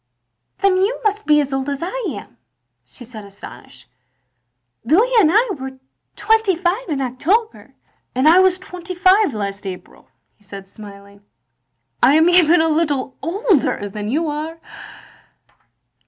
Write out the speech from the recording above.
Then you must be as old as I am," she said, astonished. "Louis and I were twenty five in October. "" I was twenty five last April, " he said smiling. "I am even a little older than you are!"